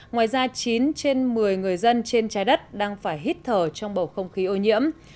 ngoài ra chín trên một mươi người dân trên trái đất đang phải hít thở trong bầu không khí ô nhiễm